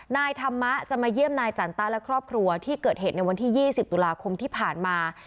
นายธรรมะจะมาเยี่ยมนายจันตะและครอบครัวที่เกิดเหตุในวันที่๒๐ตุลาคมที่ผ่านมา